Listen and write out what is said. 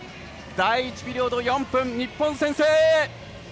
第１ピリオド、４分日本先制！